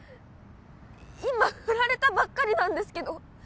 今フラれたばっかりなんですけど！？